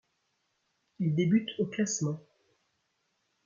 Il débute aux classements '.